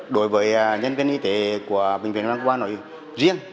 đối với nhân viên y tế của bệnh viện vn ba đồng hỡi riêng